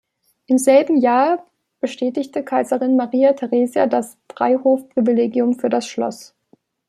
Im selben Jahr bestätigte Kaiserin Maria Theresia das Freihof-Privilegium für das Schloss.